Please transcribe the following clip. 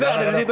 gitu aneh gitu